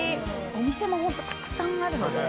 お店もたくさんあるので。